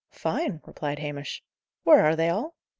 "Fine," replied Hamish. "Where are they all?"